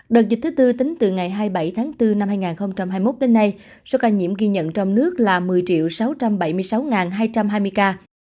đợt dịch thứ tư tính từ ngày hai mươi bảy tháng bốn năm hai nghìn hai mươi một đến nay số ca nhiễm ghi nhận trong nước là một mươi sáu trăm bảy mươi sáu hai trăm hai mươi ca